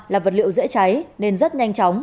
là vật liệu dễ cháy nên rất nhanh chóng